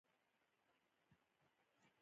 که پانګوال د ورځني کار وخت زیات کړي